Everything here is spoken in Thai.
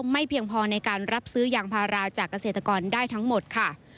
ไม่เพียงพอในการรับซื้อยางพาราจากเกษตรกรได้ทั้งหมดค่ะ